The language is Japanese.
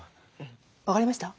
分かりました？